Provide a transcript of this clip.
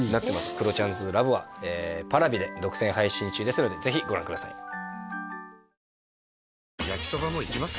「クロちゃんずラブ」はＰａｒａｖｉで独占配信中ですのでぜひご覧ください焼きソバもいきます？